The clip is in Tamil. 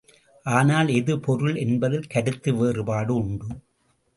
ஆனால் எது பொருள் என்பதில் கருத்து வேறுபாடு உண்டு.